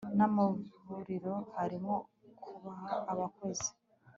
n amavuriro harimo kubaha abakozi